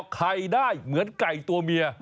ไข่ได้เหมือนไก่ตัวเมีย